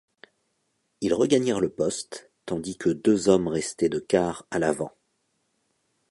Ils regagnèrent le poste, tandis que deux hommes restaient de quart à l’avant.